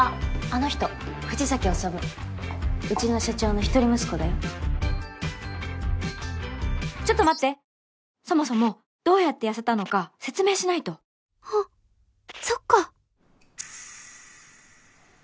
あの人富士崎宰うちの社長の一人息子だよちょっと待ってそもそもどうやって痩せたのか説明しないとあっそっか！